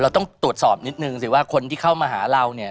ต้องตรวจสอบนิดนึงสิว่าคนที่เข้ามาหาเราเนี่ย